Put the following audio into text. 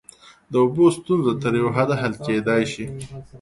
د اوبو ستونزه تر یوه حده حل کیدای شي.